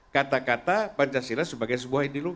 kata kata pancasila sebagai sebuah ideologi